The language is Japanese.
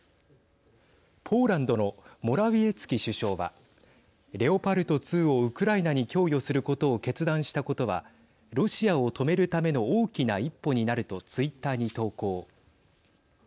ポーランドのモラウィエツキ首相はレオパルト２をウクライナに供与することを決断したことはロシアを止めるための大きな一歩になるとツイッターに投稿。